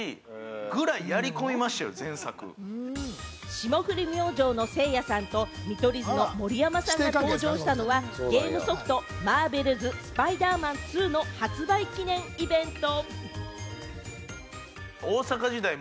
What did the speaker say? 霜降り明星のせいやさんと見取り図の盛山さんが登場したのは、ゲームソフト『Ｍａｒｖｅｌ’ｓスパイダーマン２』の発売記念イベント。